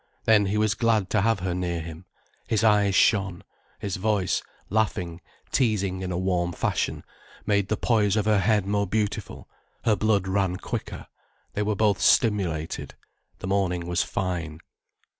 Then he was glad to have her near him, his eyes shone, his voice, laughing, teasing in a warm fashion, made the poise of her head more beautiful, her blood ran quicker. They were both stimulated, the morning was fine.